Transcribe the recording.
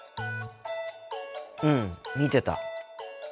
うん見てた。